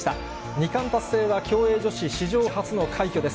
２冠達成は競泳女子史上初の快挙です。